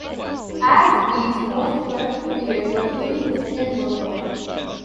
Airspeed's most productive period was during the Second World War.